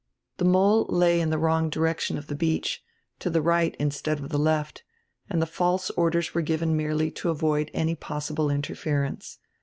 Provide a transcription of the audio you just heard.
The mole lay in die wrong direction of die beach, to die right instead of die left, and die false orders were given merely to avoid any possible interference.